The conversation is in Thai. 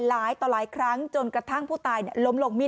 หลายต่อหลายครั้งจนกระทั่งผู้ตายล้มลงมีด